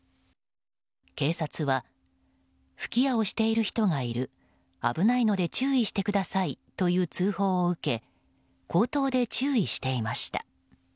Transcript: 警察は吹き矢をしている人がいる危ないので注意してくださいという通報を受け口頭で注意していました。